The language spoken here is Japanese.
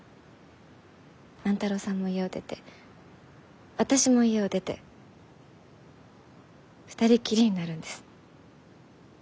万太郎さんも家を出て私も家を出て２人きりになるんです。